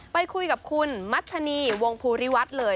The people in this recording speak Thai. ไปคุยกับคุณมัธนีวงภูริวัฒน์เลย